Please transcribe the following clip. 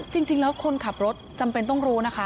จริงแล้วคนขับรถจำเป็นต้องรู้นะคะ